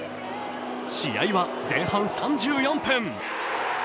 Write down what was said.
試合は前半３４分。